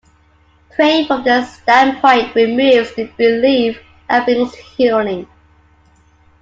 Praying from this standpoint removes the belief and brings healing.